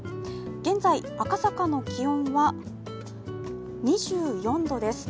現在、赤坂の気温は２４度です。